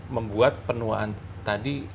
membuat penuaan tadi